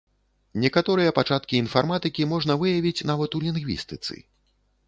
Некаторыя пачаткі інфарматыкі можна выявіць нават у лінгвістыцы.